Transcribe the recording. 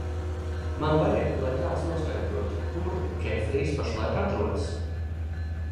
Man vajag, lai kāds noskaidrotu, kur Kefrijs pašlaik atrodas!